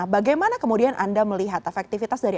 bagaimana kemudian anda melihat efektivitas dari